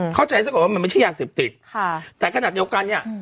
เข้าใจซะก่อนว่ามันไม่ใช่ยาเสพติดค่ะแต่ขนาดเดียวกันเนี่ย